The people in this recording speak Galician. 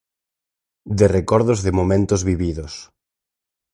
De recordos de momentos vividos.